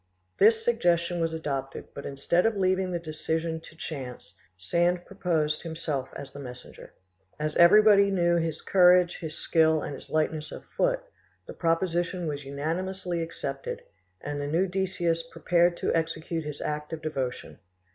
This suggestion was adopted; but instead of leaving the decision to chance, Sand proposed himself as the messenger. As everybody knew his courage, his skill, and his lightness of foot, the proposition was unanimously accepted, and the new Decius prepared to execute his act of devotion.